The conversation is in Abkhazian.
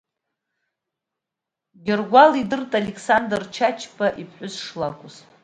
Гьыргәал идырт Алықьсандр Чачба иԥҳәыс шлакәыз.